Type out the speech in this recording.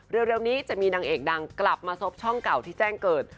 เร็วนี้จะมีนางเอกดังกลับมาซบช่องเก่าที่แจ้งเกิด